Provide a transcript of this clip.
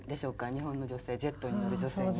日本の女性ジェットに乗る女性に。